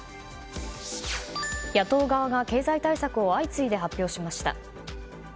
野党側が経済対策を相次いで発表しました。